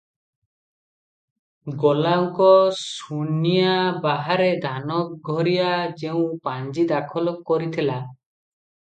ଗଲାଅଙ୍କ ସୁନିଆଁ ବାହାରେ ଧାନଘରିଆ ଯେଉଁ ପାଞ୍ଜି ଦାଖଲ କରିଥିଲା